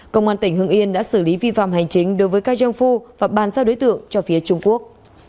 công an tỉnh hương yên đã xử lý vi phạm hành chính đối với kai jiang fo và bàn giao đối tượng cho phía trung quốc